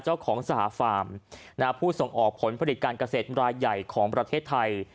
เจ้าของสหฟาร์มผู้ส่งออกผลผลิตการเกษตรรายใหญ่ของประเทศไทย